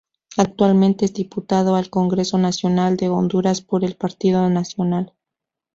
Actualmente es diputado al Congreso Nacional de Honduras por el Partido Nacional.